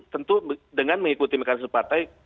tentu dengan mengikuti mekanisme partai